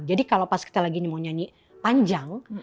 jadi kalau pas kita lagi mau nyanyi panjang